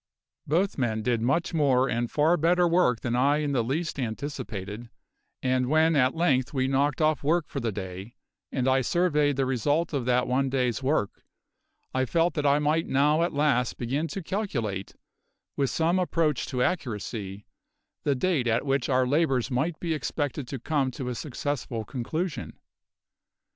Both men did much more and far better work than I in the least anticipated; and when at length we knocked off work for the day, and I surveyed the result of that one day's work, I felt that I might now at last begin to calculate, with some approach to accuracy, the date at which our labours might be expected to come to a successful conclusion.